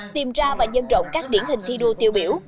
tìm ra và nhân rộng các điển hình thi đua tiêu biểu